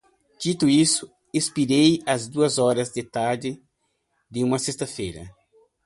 Dito isto, expirei às duas horas da tarde de uma sexta-feira